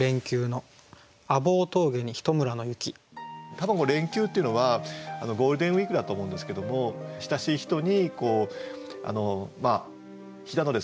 多分「連休」っていうのはゴールデンウイークだと思うんですけども親しい人に飛騨のですね